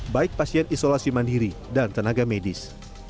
baik pasien isolasi mandiri dan tenaga medis